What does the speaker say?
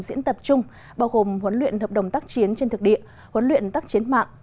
diễn tập chung bao gồm huấn luyện hợp đồng tác chiến trên thực địa huấn luyện tác chiến mạng